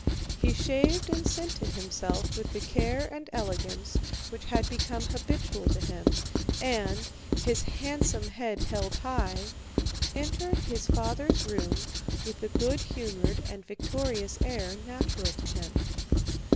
He shaved and scented himself with the care and elegance which had become habitual to him and, his handsome head held high, entered his father's room with the good humored and victorious air natural to him.